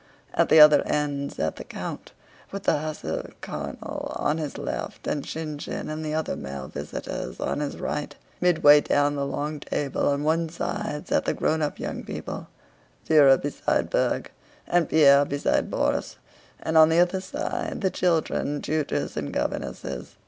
At the other end sat the count, with the hussar colonel on his left and Shinshín and the other male visitors on his right. Midway down the long table on one side sat the grown up young people: Véra beside Berg, and Pierre beside Borís; and on the other side, the children, tutors, and governesses.